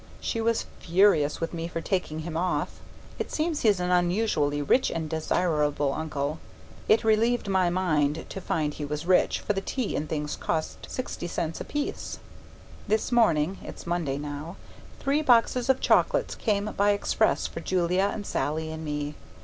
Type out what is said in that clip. She was furious with me for taking him off; it seems he's an unusually rich and desirable uncle. It relieved my mind to find he was rich, for the tea and things cost sixty cents apiece. This morning (it's Monday now) three boxes of chocolates came by express for Julia and Sallie and me.